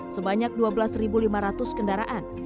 sebanyak dua belas lima ratus kendaraan